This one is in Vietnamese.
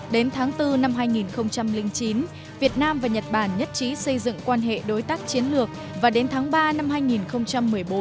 đến tháng bốn năm hai nghìn chín việt nam và nhật bản nhất trí xây dựng quan hệ đối tác chiến lược và đến tháng ba năm hai nghìn một mươi bốn